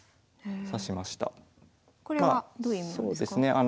これはどういう意味なんですか？